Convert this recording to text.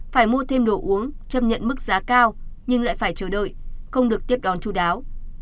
phải mua thêm đồ uống chấp nhận mức giá cao nhưng lại phải chờ đợi không được tiếp đón chú đáo